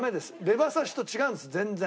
レバ刺しと違うんです全然。